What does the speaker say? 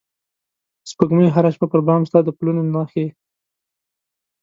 سپوږمۍ هره شپه پر بام ستا د پلونو نښې